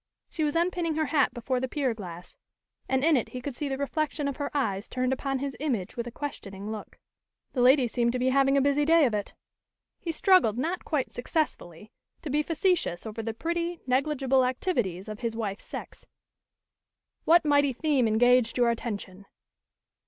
She was unpinning her hat before the pier glass, and in it he could see the reflection of her eyes turned upon his image with a questioning look. "The ladies seem to be having a busy day of it." He struggled not quite successfully to be facetious over the pretty, negligible activities of his wife's sex. "What mighty theme engaged your attention?"